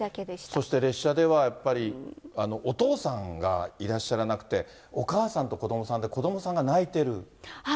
そして列車ではやっぱり、お父さんがいらっしゃらなくて、お母さんと子どもさんで、子どもさんが泣いている。